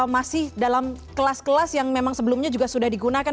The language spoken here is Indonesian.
masih dalam kelas kelas yang memang sebelumnya juga sudah digunakan